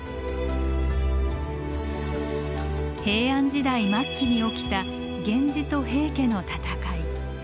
平安時代末期に起きた源氏と平家の戦い。